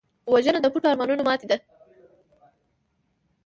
وژنه د پټو ارمانونو ماتې ده